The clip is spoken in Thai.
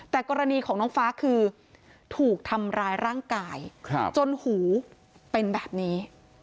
แต่กรณีของน้องฟ้าคือถูกทำร้ายร่างกายจนหูเป็นแบบนี้